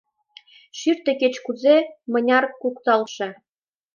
Шӱртӧ кеч-кузе, мыняр кукталтше —